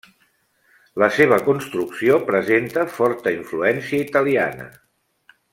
La seva construcció presenta forta influència italiana.